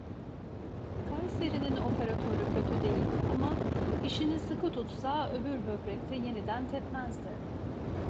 Kayseri'nin operatörü kötü değildi ama, işini sıkı tutsa öbür böbrekte yeniden tepmezdi.